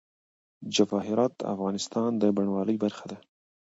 جواهرات د افغانستان د بڼوالۍ برخه ده.